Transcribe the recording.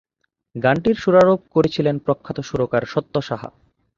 গানটি সুরারোপ করেছিলেন প্রখ্যাত সুরকার সত্য সাহা।